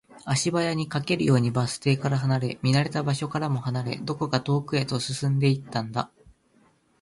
足早に、駆けるようにバス停から離れ、見慣れた場所からも離れ、どこか遠くへと進んでいったんだ